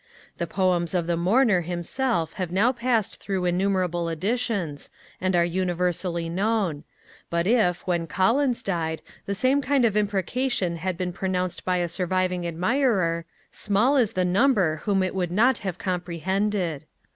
The Poems of the mourner himself have now passed through innumerable editions, and are universally known, but if, when Collins died, the same kind of imprecation had been pronounced by a surviving admirer, small is the number whom it would not have comprehended.